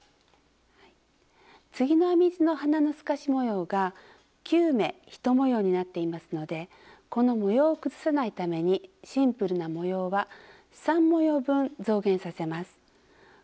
次の編み図の花の透かし模様が９目１模様になっていますのでこの模様を崩さないためにシンプルな模様は３模様分増減させます。